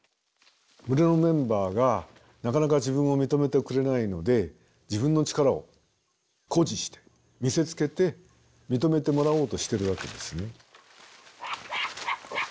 群れのメンバーがなかなか自分を認めてくれないので自分の力を誇示して見せつけて認めてもらおうとしてるわけですね。